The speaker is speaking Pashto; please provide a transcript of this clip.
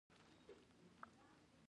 ګاونډي ته مرسته مه سپموه